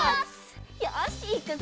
よしいくぞ！